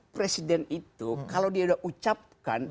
presiden itu kalau dia udah ucapkan